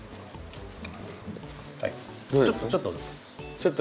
ちょっと？